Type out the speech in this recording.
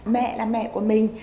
mẹ là mẹ của mình